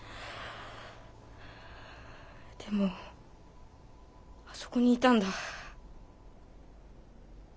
でもあそこにいたんだ。